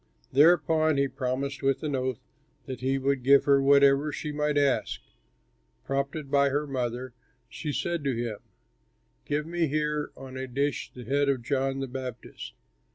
Thereupon he promised with an oath that he would give her whatever she might ask. Prompted by her mother, she said to him, "Give me here on a dish the head of John the Baptist."